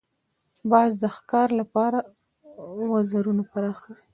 باز د ښکار لپاره وزرونه پراخوي